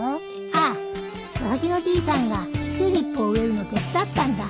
ああ佐々木のじいさんがチューリップを植えるの手伝ったんだ。